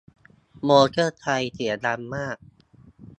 มอเตอร์ไซด์เสียงดังมาก